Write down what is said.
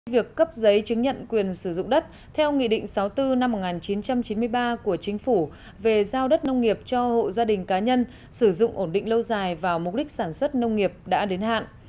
việc cấp giấy chứng nhận quyền sử dụng đất theo nghị định sáu mươi bốn năm một nghìn chín trăm chín mươi ba của chính phủ về giao đất nông nghiệp cho hộ gia đình cá nhân sử dụng ổn định lâu dài vào mục đích sản xuất nông nghiệp đã đến hạn